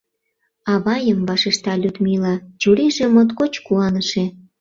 — Авайым, — вашешта Людмила, чурийже моткоч куаныше.